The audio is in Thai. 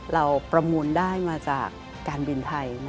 ประมูลได้มาจากการบินไทย